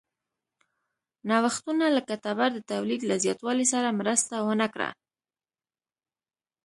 نوښتونه لکه تبر د تولید له زیاتوالي سره مرسته ونه کړه.